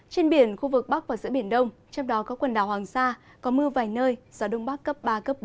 trên biển khu vực bắc và giữa biển đông trong đó có quần đảo hoàng sa có mưa vài nơi gió đông bắc cấp ba bốn